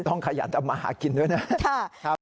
ต้องขยันต่ำมาหากินด้วยนะท่า